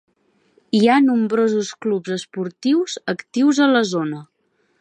Hi ha nombrosos clubs esportius actius a la zona.